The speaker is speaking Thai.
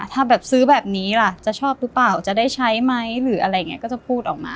ถ้าแบบซื้อแบบนี้ล่ะจะชอบหรือเปล่าจะได้ใช้ไหมหรืออะไรอย่างนี้ก็จะพูดออกมา